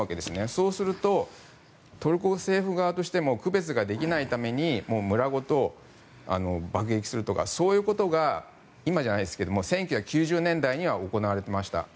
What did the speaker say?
そうするとトルコ政府側としても区別ができないために村ごと爆撃するとかそういうことが今じゃないですが１９９０年代には行われていました。